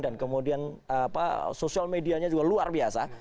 dan kemudian sosial medianya juga luar biasa